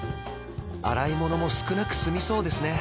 洗い物も少なく済みそうですね